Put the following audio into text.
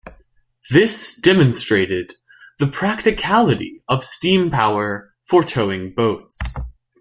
This demonstrated the practicality of steam power for towing boats.